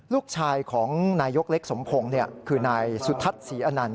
ลูกชายของนายยกเล็กสมพงศ์คือนายสุทัศน์ศรีอนันต